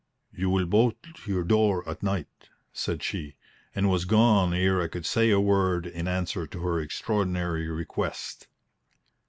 "You will bolt your door at night?" said she; and was gone ere I could say a word in answer to her extraordinary request.